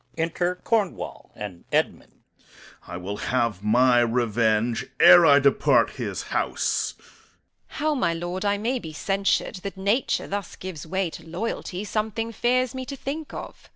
Enter Cornwall and Edmund. Corn. I will have my revenge ere I depart his house. Edm. How, my lord, I may be censured, that nature thus gives way to loyalty, something fears me to think of.